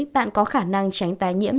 bạn có khả năng tránh tài nhiễm